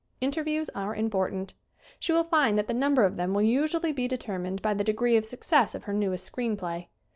Interviews are important. She will find that the number of them will usually be determined by the degree of success of her newest screen play.